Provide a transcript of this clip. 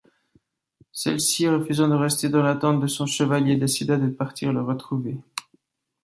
Celle-ci, refusant de rester dans l'attente de son chevalier, décida de partir le retrouver.